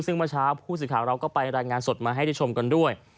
ซึ่งเมื่อเช้าผู้สื่อข่าวเราก็ไปรายงานสดมาให้ได้ชมกันด้วย